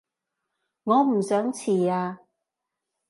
我唔想遲啊